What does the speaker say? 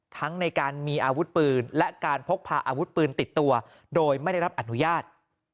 ทั้งในการมีอาวุธปืนและการพกพาอาวุธปืนติดตัวโดยไม่ได้รับอนุญาต